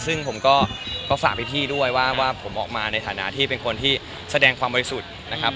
ซึ่งผมก็ฝากพี่ด้วยว่าผมออกมาในฐานะที่เป็นคนที่แสดงความบริสุทธิ์นะครับ